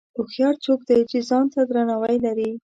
هوښیار څوک دی چې ځان ته درناوی لري.